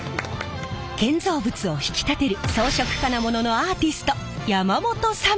建造物を引き立てる装飾金物のアーティスト山本さん！